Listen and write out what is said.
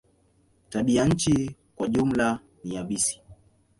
Tabianchi kwa jumla ni yabisi.